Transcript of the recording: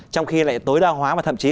trong khi lại tối đa hóa và thậm chí